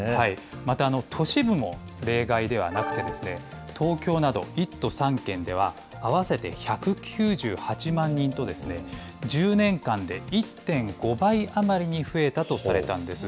また都市部も例外ではなくて、東京など１都３県では、合わせて１９８万人と、１０年間で１．５倍余りに増えたとされたんです。